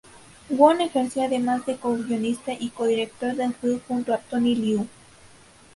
Wong ejerció además de co-guionista y co-director del film junto a Tony Liu.